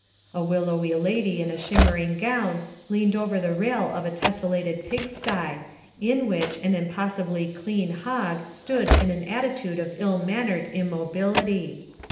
A willowy lady in a shimmering gown leaned over the rail of a tessellated pig sty, in which an impossibly clean hog stood in an attitude of ill mannered immobility.